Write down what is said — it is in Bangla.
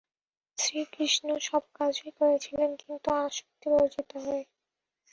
শ্রীকৃষ্ণ সব কাজই করেছিলেন, কিন্তু আসক্তিবর্জিত হয়ে।